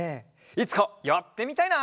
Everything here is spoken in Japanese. いつかやってみたいな！